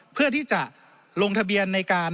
เพื่อที่จะลงทะเบียนในการ